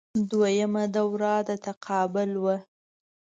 دویمه دوره د تقابل وه